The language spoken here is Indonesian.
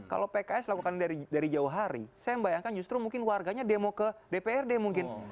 kalau pks lakukan dari jauh hari saya membayangkan justru mungkin warganya demo ke dprd mungkin